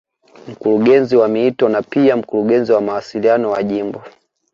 Mkurungezi wa miito na pia Mkurungezi wa mawasiliano wa Jimbo